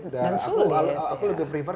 dan aku lebih prefer